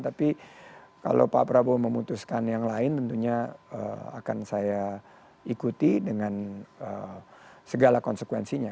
tapi kalau pak prabowo memutuskan yang lain tentunya akan saya ikuti dengan segala konsekuensinya